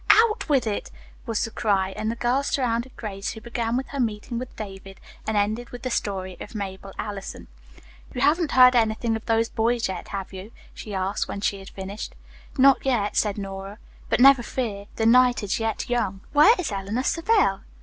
"Out with it!" was the cry, and the girls surrounded Grace, who began with her meeting with David, and ended with the story of Mabel Allison. "You haven't heard anything of those boys yet, have you?" she asked when she had finished. "Not yet," said Nora, "but never fear, the night is yet young." "Where is Eleanor Savell?"